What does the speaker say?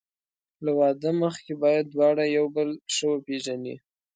له واده مخکې باید دواړه یو بل ښه وپېژني.